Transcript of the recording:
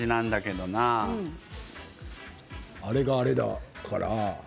あれがあれだから。